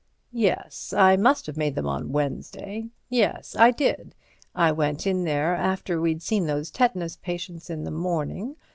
"Yes; I must have made them on Wednesday. Yes; I did. I went in there after we'd seen those tetanus patients in the morning.